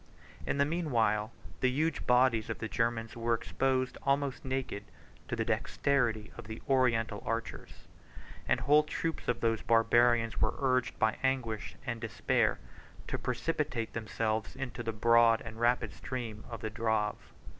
In the mean while, the huge bodies of the Germans were exposed almost naked to the dexterity of the Oriental archers; and whole troops of those Barbarians were urged by anguish and despair to precipitate themselves into the broad and rapid stream of the Drave.